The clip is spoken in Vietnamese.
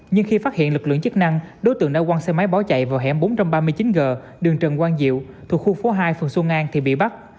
nhưng khi phát hiện lực lượng chức năng đối tượng đã quang xe máy bỏ chạy vào hẻm bốn trăm ba mươi chín g đường trần quang diệu thuộc khu phố hai phường xuân an thì bị bắt